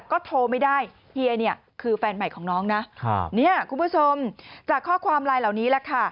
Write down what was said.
ก็โทรไม่ได้เฮียเนี่ยคือแฟนใหม่ของน้องนะครับเนี่ยคุณผู้ชมจากข้อความไลน์เหล่านี้แหละค่ะ